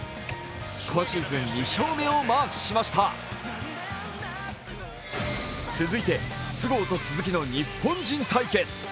今シーズン２勝目をマークしました続いて、筒香と鈴木の日本人対決。